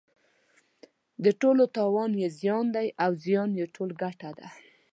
د ټولو تاوان یې زیان دی او زیان یې ټول ګټه ده.